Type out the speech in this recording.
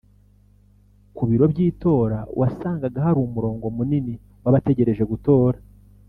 Ku biro by’itora wasangaga hari umurongo munini w’abategereje gutora